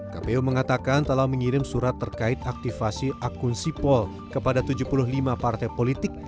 kpu mengatakan telah mengirim surat terkait aktifasi akun sipol kepada tujuh puluh lima partai politik